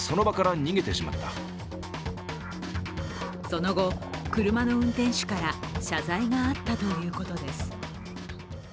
その後、車の運転手から謝罪があったということです。